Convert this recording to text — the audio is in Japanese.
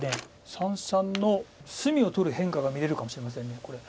三々の隅を取る変化が見れるかもしれませんこれ。